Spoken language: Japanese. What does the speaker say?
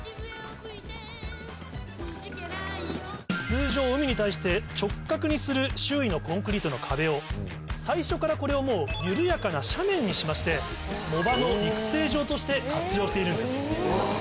通常海に対して直角にする周囲のコンクリートの壁を最初からこれをもう緩やかな斜面にしまして藻場の育成場として活用しているんです。